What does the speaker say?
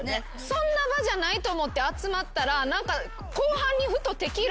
そんな場じゃないと思って集まったら。